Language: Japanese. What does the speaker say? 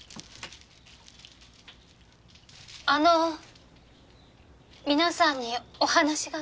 あの皆さんにお話があって。